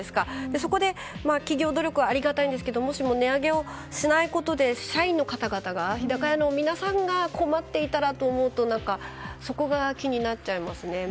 そこで企業努力はありがたいんですがもしも値上げをしないことで社員の方々が日高屋の皆さんが困っていたらと思うとそこが気になっちゃいますね。